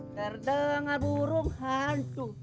terdengar burung hantu